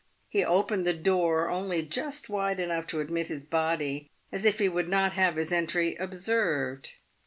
He opened the door only just wide enough to admit his body, as if he would not have his entry observed.